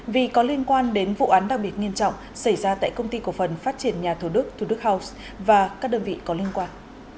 vì có liên quan đến vụ án đặc biệt nghiêm trọng xảy ra tại công ty cổ phần phát triển nhà thủ đức thủ đức house và các đơn vị có liên quan